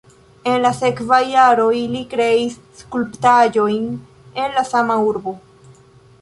En la sekvaj jaroj li kreis skulptaĵojn en la sama urbo.